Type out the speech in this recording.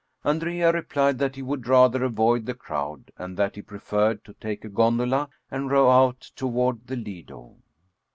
Andrea replied that he would rather avoid the crowd, and that he preferred to take a gondola and row out toward the Lido.